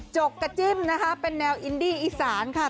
จกกระจิ้มนะคะเป็นแนวอินดี้อีสานค่ะ